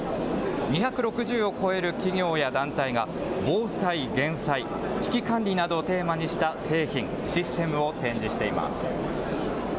２６０を超える企業や団体が、防災・減災、危機管理などをテーマにした製品、システムを展示しています。